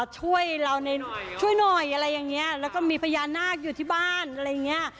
ช่วยเราหน่อยช่วยหน่อยอะไรอย่างเงี้ยแล้วก็มีพญานาคอยู่ที่บ้านอะไรอย่างเงี้ย